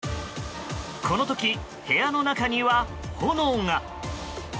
この時、部屋の中には炎が。